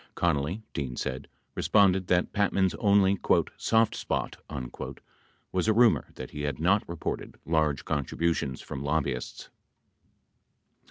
Connally, Dean said, responded that Patman's only "soft spot" was a rumor that he had not reported large contributions from lobbyists.